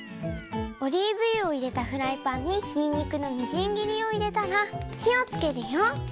オリーブ油をいれたフライパンににんにくのみじん切りをいれたら火をつけるよ。